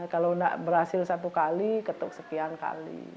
kalau tidak berhasil satu kali ketuk sekian kali